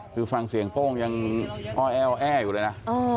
คือฟังเสียงโป้งยังอ้อแออยู่เลยนะ